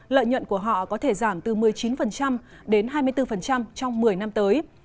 lợi nhuận của họ có thể giảm từ một mươi chín đến hai mươi bốn trong một mươi năm tới